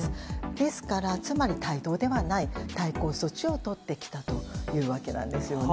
ですから、つまり対等ではない対抗措置をとってきたということです。